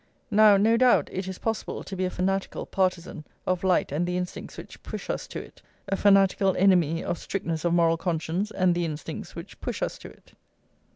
Now, no doubt, it is possible to be a fanatical partisan of light and the instincts which push us to it, a fanatical enemy of strictness of moral conscience and the instincts which push us to it.